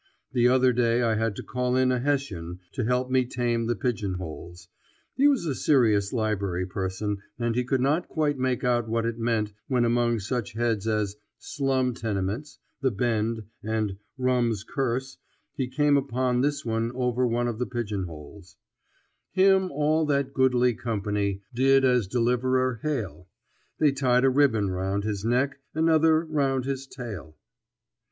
The other day I had to call in a Hessian to help me tame the pigeonholes. He was a serious library person, and he could not quite make out what it meant when among such heads as "Slum Tenements," "The Bend," and "Rum's Curse," he came upon this one over one of the pigeonholes: Him all that goodly company Did as deliverer hail. They tied a ribbon round his neck, Another round his tail.